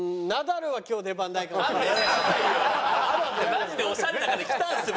マジでオシャレだから来たんですよ